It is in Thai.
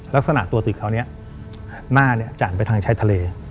ลักษณะตัวติดคราวนี้หน้าจันไปทางชายทะเล